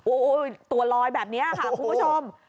โอ้โหตัวลอยแบบนี้ค่ะคุณผู้ชม